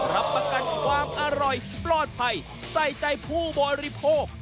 รับประกันความอร่อยปลอดภัยใส่ใจผู้บริโภค